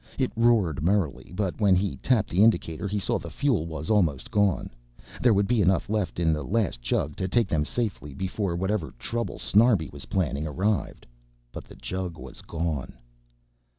It roared merrily but when he tapped the indicator he saw the fuel was almost gone. There would be enough left in the last jug to take them to safety before whatever trouble Snarbi was planning arrived. But the jug was gone.